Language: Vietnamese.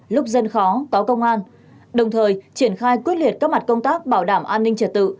lúc dân khó có công an đồng thời triển khai quyết liệt các mặt công tác bảo đảm an ninh trật tự